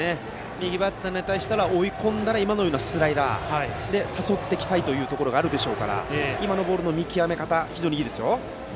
右バッターに対しては追い込んだら今のようなスライダーで誘っていきたいというところがあるでしょうから今のボールの見極め方はいいですよ。